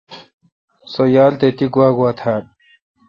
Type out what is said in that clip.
سو یال تہ تی گوا گوا تھال ؟